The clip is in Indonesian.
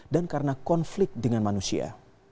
dan karena konflik dengan manusia